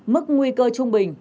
mức nguy cơ trung bình